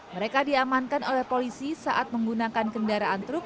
mereka diamankan oleh polisi saat menggunakan kendaraan truk